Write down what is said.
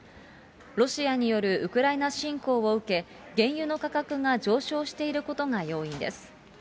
ロシアによるウクライナ侵攻を受け、原油の価格が上昇していることが要因です。